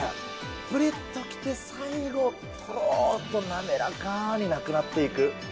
ぷりっときて最後、とろーっと滑らかになくなっていく。